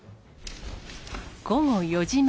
午後４時前。